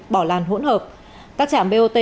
bỏ làn hỗn hợp các trạm bot